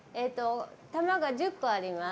弾が１０個あります。